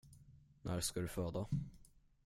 När ska du föda?